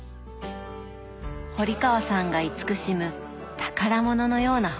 堀川さんが慈しむ宝物のような本たち。